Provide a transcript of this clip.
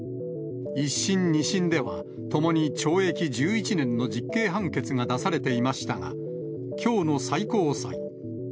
１審、２審ではともに懲役１１年の実刑判決が出されていましたが、きょうの最高裁。